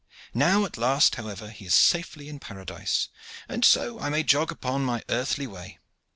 Now at last, however, he is safely in paradise, and so I may jog on upon my earthly way."